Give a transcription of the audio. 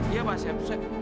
iya pak saif